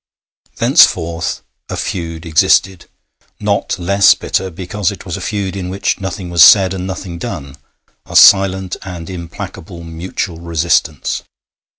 Thenceforth a feud existed, not less bitter because it was a feud in which nothing was said and nothing done a silent and implacable mutual resistance.